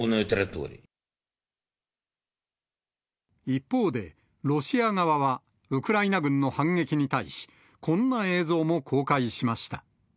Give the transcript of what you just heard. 一方で、ロシア側はウクライナ軍の反撃に対し、こんな映像も公開しました。